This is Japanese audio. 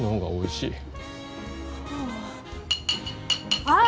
あおいしい。